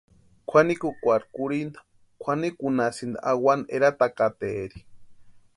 Kwʼanikukwarhu kurhinta kwʼanikunhasïni awani eratakataeri.